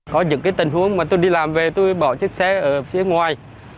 có những tình huống mà tôi đi làm về tôi bỏ chiếc xe ở phía ngoài